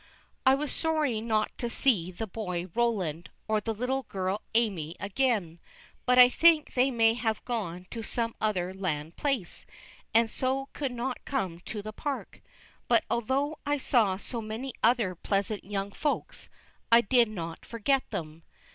I was sorry not to see the boy Roland or the little girl Amy again, but I think they may have gone to some other land place, and so could not come to the park. But although I saw so many other pleasant young Folks, I did not forget them.